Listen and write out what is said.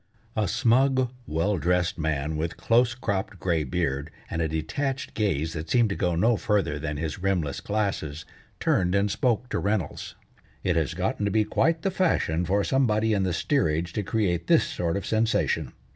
A smug, well dressed man, with close cropped gray beard, and a detached gaze that seemed to go no further than his rimless glasses, turned and spoke to Reynolds: "It has gotten to be quite the fashion for somebody in the steerage to create this sort of sensation.